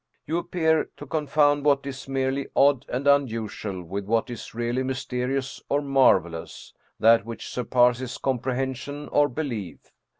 You appear to confound what is merely odd and unusual with what is really mysterious or marvelous, that which surpasses comprehension or belief.